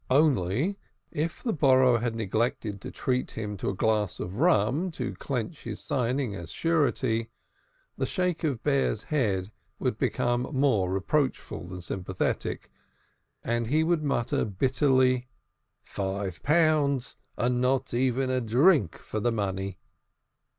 Only, if the borrower had neglected to treat him to a glass of rum to clench his signing as surety, the shake of Bear's head would become more reproachful than sympathetic, and he would mutter bitterly: "Five pounds and not even a drink for the money."